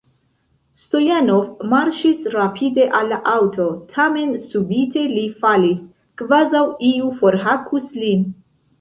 Stojanov marŝis rapide al la aŭto, tamen subite li falis, kvazaŭ iu forhakus lin.